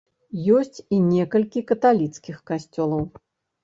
Ёсць і некалькі каталіцкіх касцёлаў.